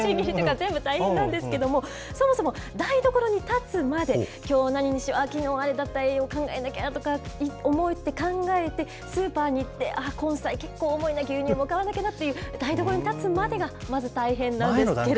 全部大変なんですけども、そもそも台所に立つまで、きょうは何にしよう、きのうはあれだった、栄養考えなきゃとか、思って、考えて、スーパーに行って、根菜、結構重いな、牛乳も買わなきゃな、台所に立つまでがまず大前の段階がね。